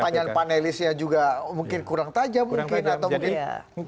itu mulai pertanyaan panelisnya juga mungkin kurang tajam mungkin atau mungkin formatnya